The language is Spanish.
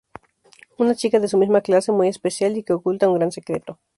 Una chica de su misma clase, muy especial y que oculta un gran secreto.